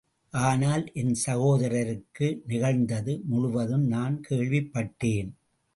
ஆனால், என் சகோதரருக்கு நிகழ்ந்தது முழுவதும் நான் கேள்விப்பட்டேன்.